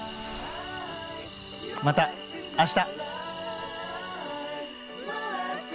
また明日！